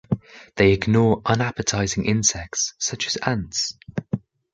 They ignore unappetising insects such as ants.